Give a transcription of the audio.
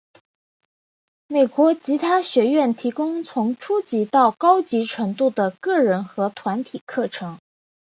美国吉他学院提供从初级到高级程度的个人和团体课程。